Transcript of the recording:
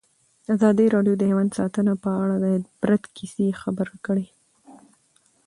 ازادي راډیو د حیوان ساتنه په اړه د عبرت کیسې خبر کړي.